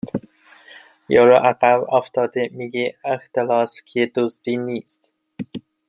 یارو عقب افتاده میگه اختلاس که دزدی نیست